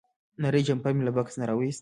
نری جمپر مې له بکس نه راوویست.